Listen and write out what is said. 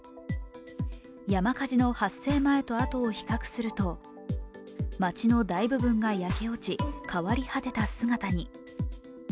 山火事の発生前とあとを比較すると街の大部分が焼け落ち変わり果てた姿に。